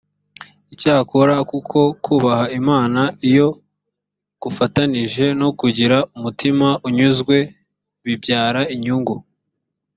icyakora koko kubaha imana iyo gufatanije no kugira umutima unyuzwe bibyara inyungu